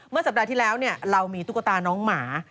สัปดาห์ที่แล้วเรามีตุ๊กตาน้องหมา